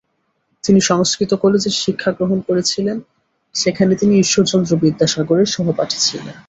তিনি সংস্কৃত কলেজের শিক্ষাগ্রহণ করেছিলেন, সেখানে তিনি ঈশ্বরচন্দ্র বিদ্যাসাগরের সহপাঠী ছিলেন।